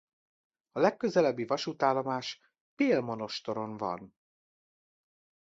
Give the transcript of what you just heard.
A legközelebbi vasútállomás Pélmonostoron van.